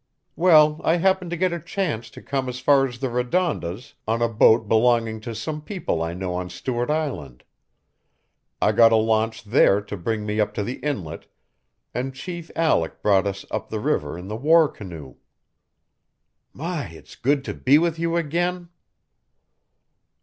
"Well, I happened to get a chance to come as far as the Redondas on a boat belonging to some people I knew on Stuart Island. I got a launch there to bring me up the Inlet, and Chief Aleck brought us up the river in the war canoe. My, it's good to be with you again."